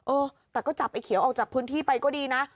เออแต่ก็จับไอ้เขียวออกจากพื้นที่ไปก็ดีนะ